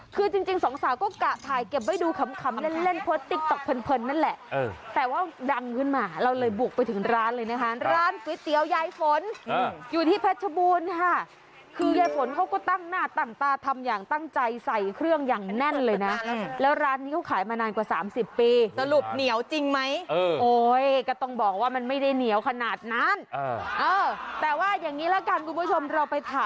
คือจริงสองสาวก็กะถ่ายเก็บไว้ดูขำเล่นเล่นโพสต์ติ๊กต๊อกเพลินนั่นแหละแต่ว่าดังขึ้นมาเราเลยบุกไปถึงร้านเลยนะคะร้านก๋วยเตี๋ยวยายฝนอยู่ที่เพชรบูรณ์ค่ะคือยายฝนเขาก็ตั้งหน้าตั้งตาทำอย่างตั้งใจใส่เครื่องอย่างแน่นเลยนะแล้วร้านนี้เขาขายมานานกว่า๓๐ปีสรุปเหนียวจริงไหมโอ้ยก็ต้องบอกว่ามันไม่ได้เหนียวขนาดนั้นแต่ว่าอย่างนี้ละกันคุณผู้ชมเราไปถ่าย